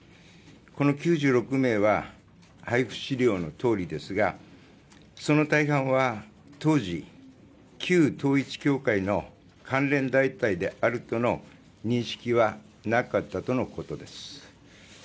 この９６名は配布資料のとおりですがその大半は当時、旧統一教会の関連団体であるとの認識はなかったとのことです。